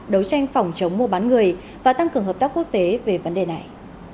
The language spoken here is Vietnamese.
đấu tranh phòng chống mua bán người và tăng cường hợp tác quốc tế về vấn đề này